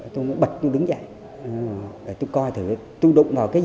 tôi mới bật tôi đứng dậy tôi coi thử tôi đụng vào cái gì